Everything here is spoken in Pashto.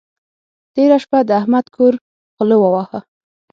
تېره شپه د احمد کور غلو وواهه.